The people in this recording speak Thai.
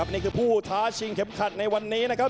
นี่คือผู้ท้าชิงเข็มขัดในวันนี้นะครับ